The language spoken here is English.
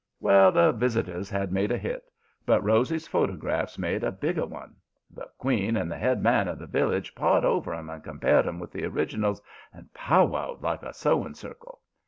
"Well, the visitors had made a hit, but Rosy's photographs made a bigger one. The queen and the head men of the village pawed over 'em and compared 'em with the originals and powwowed like a sewing circle.